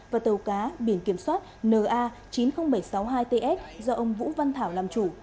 và tàu cá biển kiểm soát na chín mươi nghìn bảy trăm sáu mươi hai ts do ông vũ văn thảo làm chủ